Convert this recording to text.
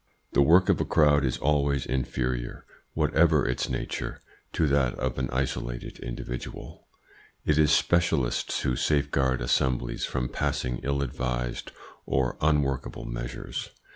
The work of a crowd is always inferior, whatever its nature, to that of an isolated individual. It is specialists who safeguard assemblies from passing ill advised or unworkable measures.